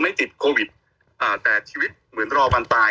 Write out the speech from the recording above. ติดโควิดอ่าแต่ชีวิตเหมือนรอวันตาย